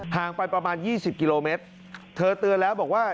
ห่างไปประมาณ๒๐กิโลเมตรเธอเตือนแล้วบอกว่า